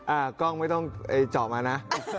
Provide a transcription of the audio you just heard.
อ่ากล้องไม่ต้องเจาะมานะ